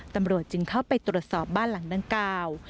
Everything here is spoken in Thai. ตำรวจจึงเข้าไปตรวจสอบบ้านหลังดังกล่าว